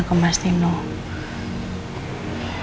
aku rasa itu udah cukup